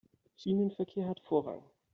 Schienenverkehr hat Vorrang.